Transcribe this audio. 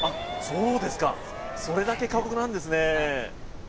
そうですかそれだけ過酷なんですね